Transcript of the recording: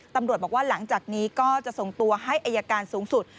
ตำรวจบอกว่าหลังจากนี้ก็จะส่งตัวให้อายการสูงสุด